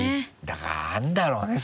だからあるんだろうね